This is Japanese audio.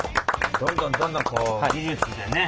どんどんどんどんこう技術でね